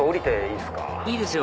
いいですよ